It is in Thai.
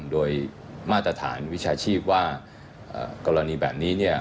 โดยมาตรฐานวิชาชีพว่ากรณีแบบนี้